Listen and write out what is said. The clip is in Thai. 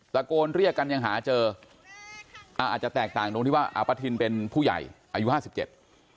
ตะโกนเรียกกันยังหาเจออ่าอาจจะแตกต่างตรงที่ว่าอาปทินเป็นผู้ใหญ่อายุห้าสิบเจ็ด